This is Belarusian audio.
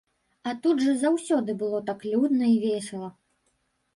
А тут жа заўсёды было так людна і весела.